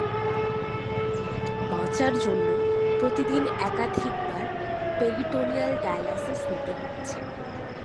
বাঁচার জন্য প্রতিদিন একাধিকবার পেরিটোনিয়াল ডায়ালাইসিস নিতে হচ্ছে।